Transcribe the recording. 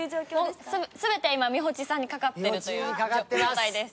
すべて今みほちーさんにかかってるという状態です。